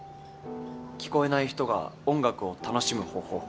聞こえない人が音楽を楽しむ方法。